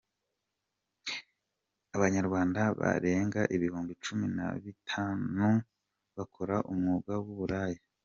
Abanyarwanda barenga ibihumbi cumi nabitanu bakora umwuga w’uburaya